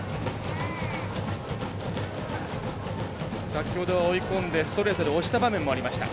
先ほどは追い込んでストレートで押した場面もありました。